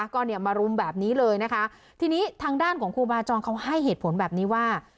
ก็เนี่ยมารุมแบบนี้เลยนะคะทีนี้ทางด้านของครูบาจรเขาให้เหตุผลแบบนี้ว่า